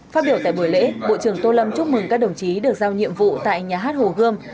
phát biểu tại buổi lễ bộ trưởng tô lâm chúc mừng các đồng chí được giao nhiệm vụ tại nhà hát hồ gươm